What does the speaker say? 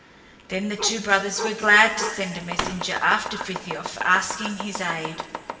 Then the two brothers were glad to send a messenger after Frithiof, asking his aid.